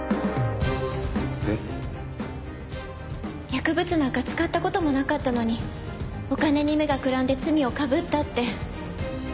薬物なんか使った事もなかったのにお金に目がくらんで罪をかぶったって。